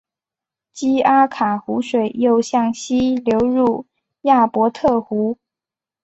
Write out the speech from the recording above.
基阿卡湖水又向西流入亚伯特湖。